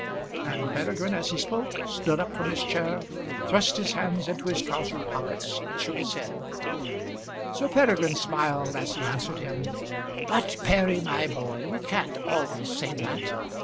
And Peregrine, as he spoke, stood up from his chair, thrust his hands into his trouser pockets, and shook his head. [Illustration: "No Surrender."] Sir Peregrine smiled as he answered him. "But Perry, my boy, we can't always say that.